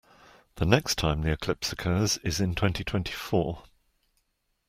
The next time the eclipse occurs is in twenty-twenty-four.